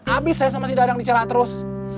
abis saya sama si dadang di ciraos terus